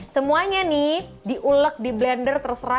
semuanya nih diulek di blender terserah